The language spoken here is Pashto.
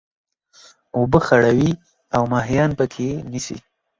اوبه خړوي او ماهيان پکښي نيسي.